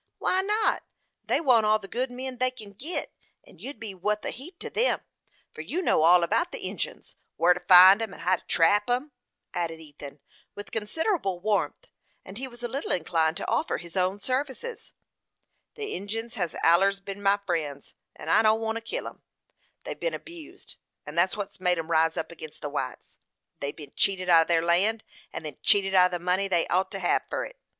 "Why not? They want all the good men they kin git, and you'd be wuth a heap to 'em, for you know all about the Injins, whar to find 'em, and how to trap 'em," added Ethan, with considerable warmth; and he was a little inclined to offer his own services. "The Injins hes allers ben my friends, and I don't want to help kill 'em. They've ben abused, and thet's what made 'em rise up agin the whites. They've ben cheated out of their land, and then cheated out of the money they ought to hev fur it.